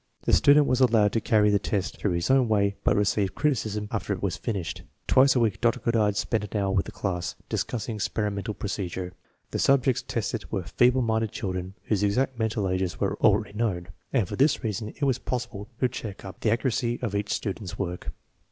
The student was allowed to carry the test through in his own way, but received criticism after it was finished. Twice a week Dr. Goddard spent an hour with the class, discussing experimental procedure. The subjects tested were feeble minded children* whose exact mental ages were already known, and for this reason it was possible to check up the accuracy of each student's work.